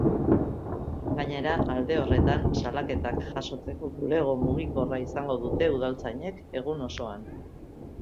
Gainera, alde horretan salaketak jasotzeko bulego mugikorra izango dute udaltzainek egun osoan.